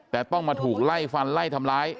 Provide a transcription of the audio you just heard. แต่ต้องมาถูกไล่ฟันไล่ทำร้าย